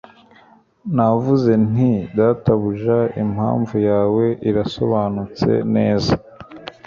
Navuze nti Databuja impamvu yawe irasobanutse neza